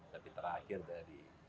tapi terakhir dari